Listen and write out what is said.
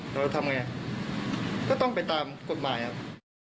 เราทำไงก็ต้องไปตามกฎหมายครับ